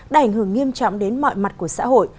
đã ảnh hưởng nghiêm trọng đến mọi mặt của xã hội